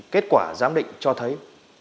kết quả giám đỉnh cho thấy